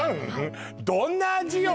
はいどんな味よ